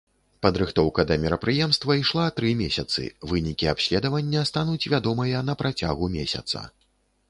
Падрыхтоўка да мерапрыемства ішла тры месяцы, вынікі абследавання стануць вядомыя на працягу месяца.